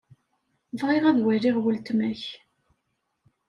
Bɣiɣ ad waliɣ weltma-k.